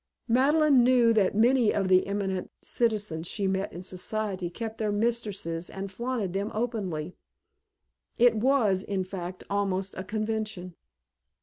Madeleine knew that many of the eminent citizens she met in Society kept their mistresses and flaunted them openly. It was, in fact, almost a convention.